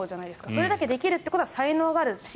それだけできるということは才能があるし